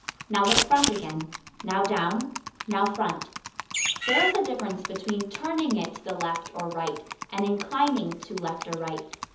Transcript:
Now look "front" again now "down," now "front." There is a difference between turning it to the left or right and inclining to left or right.